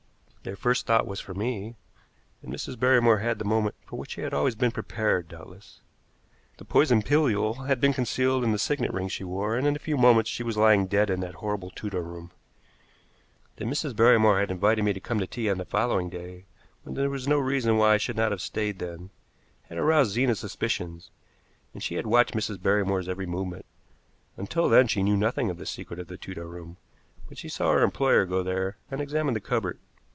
Their first thought was for me, and Mrs. Barrymore had the moment for which she had always been prepared, doubtless. The poison pilule had been concealed in a signet ring she wore, and in a few moments she was lying dead in that horrible Tudor room. That Mrs. Barrymore had invited me to come to tea on the following day, when there was no reason why I should not have stayed then, had aroused Zena's suspicions, and she had watched Mrs. Barrymore's every movement. Until then she knew nothing of the secret of the Tudor room, but she saw her employer go there and examine the cupboard.